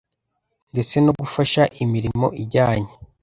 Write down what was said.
ndetse no gufasha imirimo ijyanye